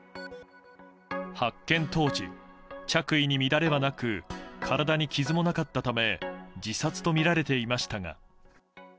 発見当時、着衣に乱れはなく体に傷もなかったため自殺とみられていましたが。